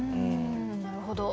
なるほど。